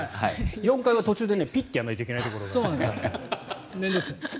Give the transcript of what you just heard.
４階は途中でピッてやらないといけないところがあるので。